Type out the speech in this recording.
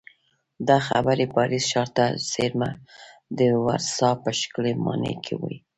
دا خبرې پاریس ښار ته څېرمه د ورسا په ښکلې ماڼۍ کې وې